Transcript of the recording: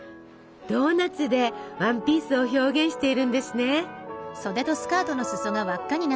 ドーナツでワンピースを表現しているんですね。